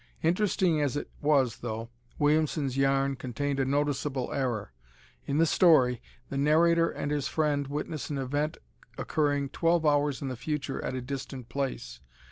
Interesting as it was, though, Williamson's yarn contained a noticeable error. In the story, the narrator and his friend witness an event occurring twelve hours in the future at a distant place.